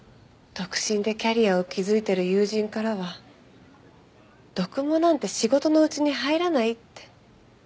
独身でキャリアを築いてる友人からは読モなんて仕事のうちに入らないって。